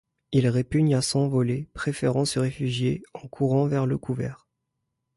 Il répugne à s’envoler, préférant se réfugier en courant vers le couvert.